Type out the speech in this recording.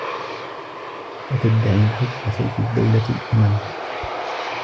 وَتَدّعي حُبّ سَيفِ الدّوْلـةِ الأُمَـم ُ